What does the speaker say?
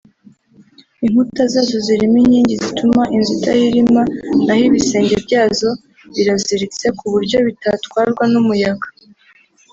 Inkuta zazo zirimo inkingi zituma inzu idahirima naho ibisenge byazo biraziritse kuburyo bitatwarwa n’umuyaga